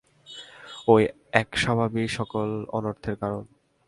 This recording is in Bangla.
ঐ এক অভাবই সকল অনর্থের কারণ।